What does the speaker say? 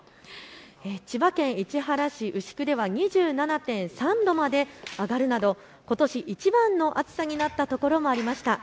千葉県市原市うしくでは２７．３度まで上がるなどことしいちばんの暑さとなった所もありました。